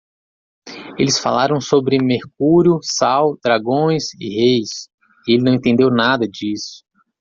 Eles falaram sobre mercúrio? sal? dragões? e reis? e ele não entendeu nada disso.